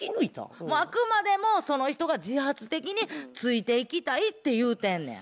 あくまでもその人が自発的についていきたいって言うてんねん。